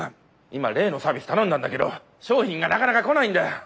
今例のサービス頼んだんだけど商品がなかなか来ないんだよ。